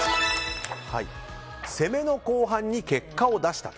攻めの後半に結果を出したと。